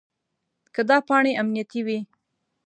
که دا پاڼې امنیتي وي.